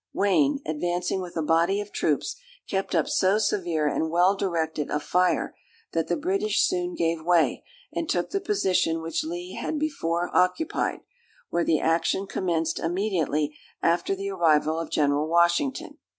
Wayne, advancing with a body of troops, kept up so severe and well directed a fire, that the British soon gave way, and took the position which Lee had before occupied, where the action commenced immediately after the arrival of General Washington.